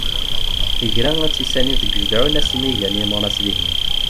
Igra ad tt-issani deg ujedɛun asmi ggin imuras dihin.